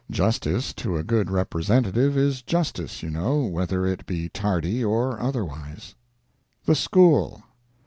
Justice to a good representative is justice, you know, whether it be tardy or otherwise. THE SCHOOL.